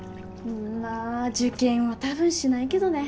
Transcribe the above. まあ受験はたぶんしないけどね。